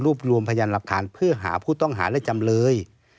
รวมรวมพยานหลักฐานเพื่อหาผู้ต้องหาและจำเลย